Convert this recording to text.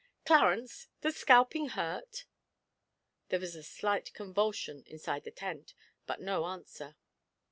'Clarence, does scalping hurt?' There was a slight convulsion inside the tent, but no answer.